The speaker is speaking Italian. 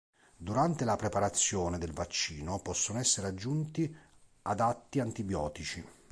Durante la preparazione del vaccino possono essere aggiunti adatti antibiotici.